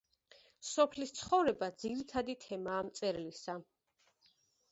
სოფლის ცხოვრება ძირითადი თემაა მწერლისა.